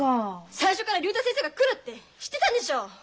最初から竜太先生が来るって知ってたんでしょ！